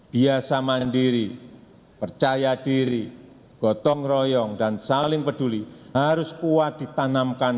biasa mandiri percaya diri gotong royong dan saling peduli harus kuat ditanamkan